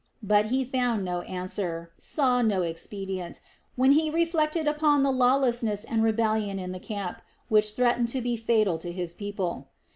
But he found no answer, saw no expedient, when he reflected upon the lawlessness and rebellion in the camp, which threatened to be fatal to his people.